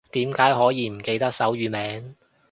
點解可以唔記得手語名